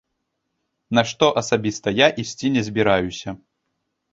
На што асабіста я ісці не збіраюся.